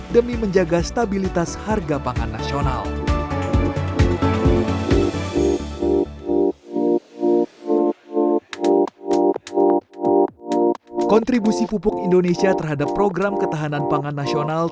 demi menjaga stabilitas harga pangan nasional